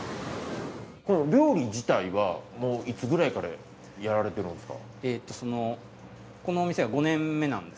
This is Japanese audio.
料理自体はもういつくらいからやられてるんですか？